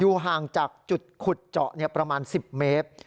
ห่างจากจุดขุดเจาะประมาณ๑๐เมตร